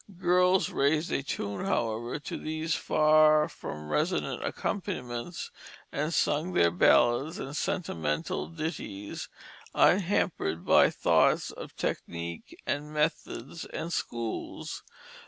Girls "raised a tune," however, to these far from resonant accompaniments, and sung their ballads and sentimental ditties, unhampered by thoughts of technique and methods and schools.